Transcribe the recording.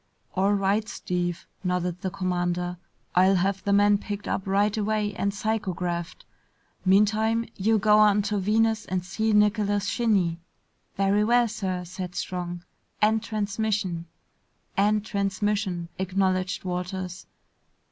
"All right, Steve," nodded the commander. "I'll have the man picked up right away and psychographed. Meantime, you go on to Venus and see Nicholas Shinny." "Very well, sir," said Strong. "End transmission!" "End transmission," acknowledged Walters.